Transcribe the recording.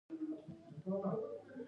دا د شاه صفوي او عباس د ځای ناستي وخت و.